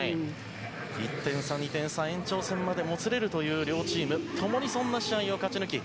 １点差、２点差延長戦までもつれるという両チーム共にそんな試合を勝ち抜き